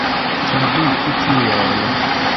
Traduku tion!